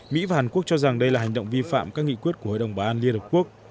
mỹ và hàn quốc cho rằng đây là hành động vi phạm các nghị quyết của hội đồng bảo an liên hợp quốc